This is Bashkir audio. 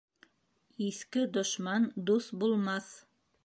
Иҫке дошман дуҫ булмаҫ.